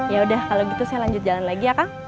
yaudah kalau gitu saya lanjut jalan lagi ya kang